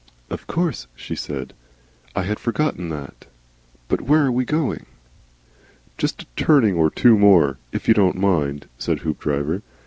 "Of course," she said. "I had forgotten that. But where are we going?" "Jest a turning or two more, if you don't mind," said Hoopdriver.